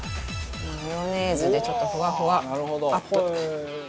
マヨネーズでちょっとふわふわアップ。